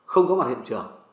không có mặt hiện trường